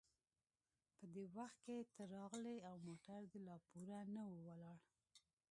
په دې وخت کې ته راغلې او موټر دې لا پوره نه و ولاړ.